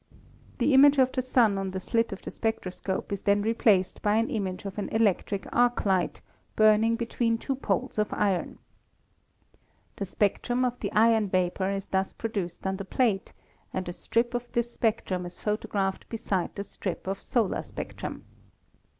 The image of the Sun on the slit of the spectroscope is then replaced by an image of an electric arc light, burning between two poles of iron. The spectrum of the iron vapor is thus produced on the plate, and a strip of this spectrum is photographed beside the strip of solar spectrum.